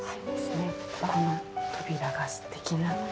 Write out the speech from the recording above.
この扉がすてきな。